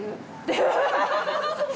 アハハハ！